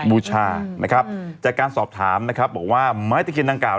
บูชาจากการสอบถามบอกว่าม้ายตะเคียนทางกล่าว